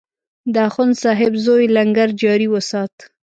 د اخندصاحب زوی لنګر جاري وسات.